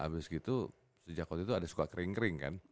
habis gitu sejak waktu itu ada suka kering kering kan